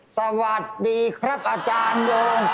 สวัสดีครับอาจารย์โยง